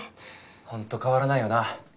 ほんと変わらないよな